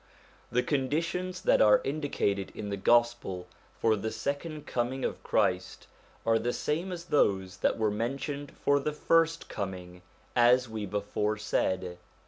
The conditions that are indicated in the Gospel for the second coming of Christ are the same as those that were mentioned for the first coining, as we before said.